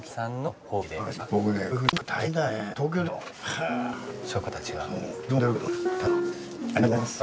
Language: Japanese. ありがとうございます。